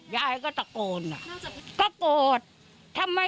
ยายก็ตะโกนนะก็โกรธ